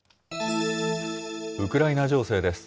ウクライナ情勢です。